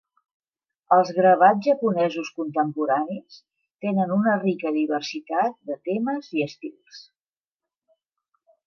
Els gravats japonesos contemporanis tenen una rica diversitat de temes i estils.